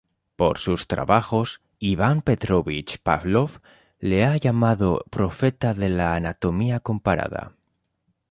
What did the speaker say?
Por sus trabajos, Iván Petróvich Pávlov le ha llamado "profeta de la anatomía comparada".